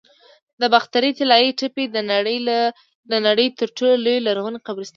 د باختر د طلایی تپې د نړۍ تر ټولو لوی لرغوني قبرستان دی